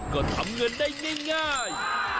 ก็ทำเงินได้ง่าย